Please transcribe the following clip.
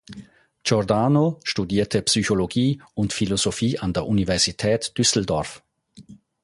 Giordano studierte Psychologie und Philosophie an der Universität Düsseldorf.